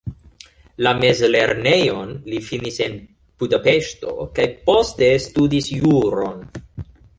La mezlernejon li finis en Budapeŝto kaj poste studis juron.